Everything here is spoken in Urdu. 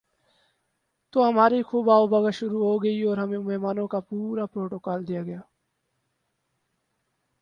تو ہماری خوب آؤ بھگت شروع ہو گئی اور ہمیں مہمانوں کا پورا پروٹوکول دیا گیا ۔